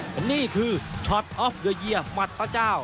วันนี้คือชอตออฟย์เยียร์หมัดพระเจ้า